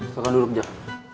suka dulu kejap